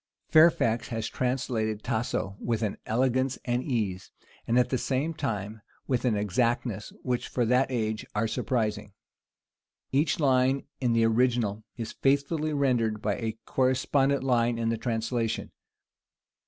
Fairfax has translated Tasso with an elegance and ease, and at the same time with an exactness, which, for that age, are surprising. Each line in the original is faithfully rendered by a correspondent line in the translation.